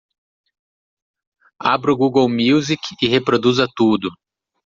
Abra o Google Music e reproduza tudo.